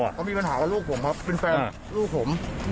เขาไม่มาถามกล่าวว่าลูกผมครับกูเป็นแฟนลูกผม